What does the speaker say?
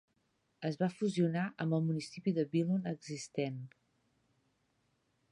Es va fusionar amb el municipi de Billund existent.